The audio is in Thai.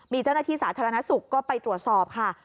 มีเจ้าหน้าที่สาธารณสุขก็ไปตรวจสอบค่ะ